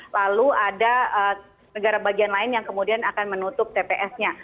lalu ada negara bagian lain yang kemudian akan menutup tps nya